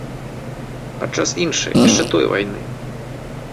Падчас іншай, яшчэ той вайны.